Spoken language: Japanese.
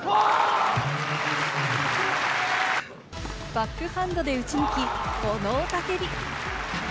バックハンドで打ち抜き、この雄たけび！